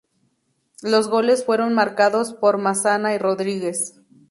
Los goles fueron marcados por Massana y Rodríguez.